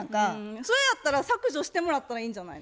それやったら削除してもらったらいいんじゃない。